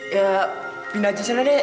ya pindah aja sana deh